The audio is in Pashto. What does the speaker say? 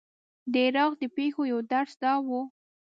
د عراق د پېښو یو درس دا و.